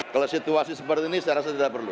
kalau situasi seperti ini saya rasa tidak perlu